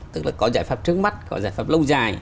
tức là có giải pháp trước mắt có giải pháp lâu dài